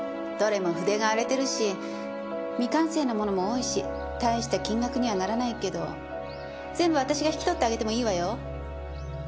どれも筆が荒れてるし未完成のものも多いし大した金額にはならないけど全部私が引き取ってあげてもいいわよ。